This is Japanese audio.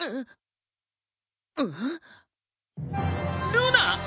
ルナ！？